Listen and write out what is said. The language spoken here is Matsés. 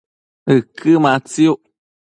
ëquë matsiuc